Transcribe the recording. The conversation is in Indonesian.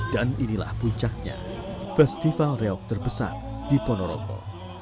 dan inilah puncaknya festival reok terbesar di ponorogo